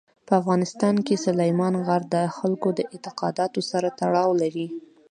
په افغانستان کې سلیمان غر د خلکو د اعتقاداتو سره تړاو لري.